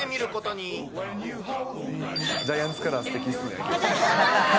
ジャイアンツカラー、すてきですね。